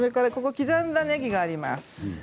刻んだねぎがあります。